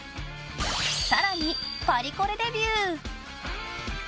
更に、パリコレデビュー。